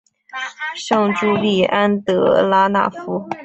圣朱利安德拉讷夫。